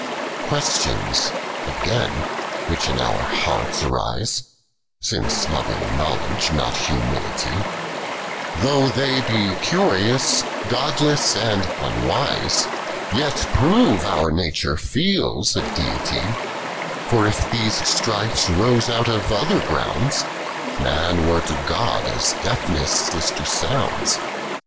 9. Questions again, which in our hearts arise, — Since loving knowledge, not humility — Though they he curious, godless, and unwise. Yet prove our nature feels a Deity ; For if these strifes rose out of other groundsi Man were to God, as deafness is to sounds.